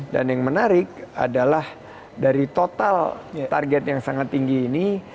dan yang menarik adalah dari total target yang sangat tinggi ini